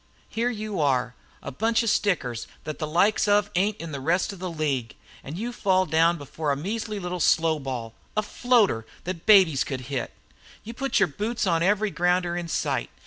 Here you are, a bunch of stickers that the likes of ain't in the rest of the league and you fall down before a measly little slow ball, a floater that babies could hit! You put the boots on every grounder in sight!